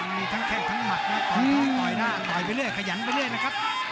นี่ทั้งแค้งทั้งหมัดต่อยไปเรื่อยขยันไปเรื่อยนะครับ